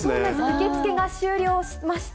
受け付けが終了しました。